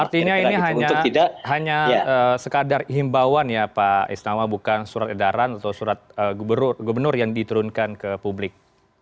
artinya ini hanya sekadar himbauan ya pak istama bukan surat edaran atau surat gubernur yang diturunkan ke publik